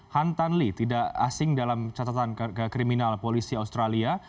han tan lee tidak asing dalam catatan kriminal polisi australia